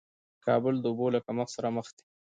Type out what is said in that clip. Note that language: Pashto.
کابل د اوبو له کمښت سره مخ دې